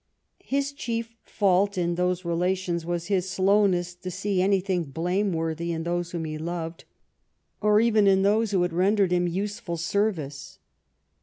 His chief fault in those rela tions was his slowness to see anything blameworthy in those whom he loved, or even in those who had rendered him useful service.